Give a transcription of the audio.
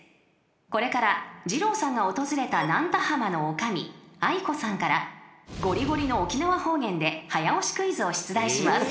［これから二朗さんが訪れたなんた浜の女将愛子さんからごりごりの沖縄方言で早押しクイズを出題します］